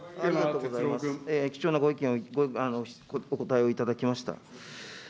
貴重なご意見を、お答えを頂きました。